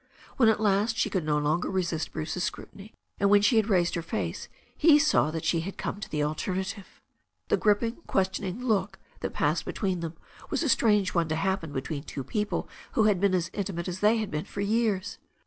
When at last she could no longer resist Bruce's scrutiny, and when she raised her face, he saw that she had come to the alternative. The gripping, questioning look that passed between them was a strange one to happen between two people who had been as intimate as they had been for years.